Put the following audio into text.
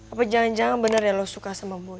apa jangan jangan bener ya lo suka sama boy